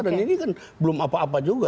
dan ini kan belum apa apa juga